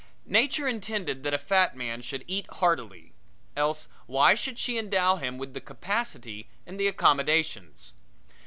Nature intended that a fat man should eat heartily, else why should she endow him with the capacity and the accommodations.